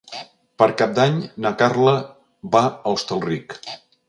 Per Cap d'Any na Carla va a Hostalric.